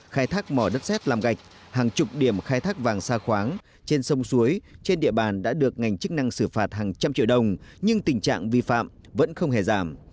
khai thác mỏ đất xét làm gạch hàng chục điểm khai thác vàng xa khoáng trên sông suối trên địa bàn đã được ngành chức năng xử phạt hàng trăm triệu đồng nhưng tình trạng vi phạm vẫn không hề giảm